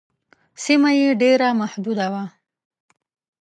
سیمه یې ډېره محدوده وه.